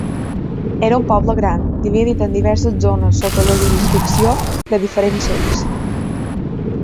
Era un poble gran, dividit en diverses zones sota la jurisdicció de diferents xeics.